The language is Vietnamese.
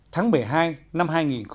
tháng một mươi hai năm hai nghìn một mươi bảy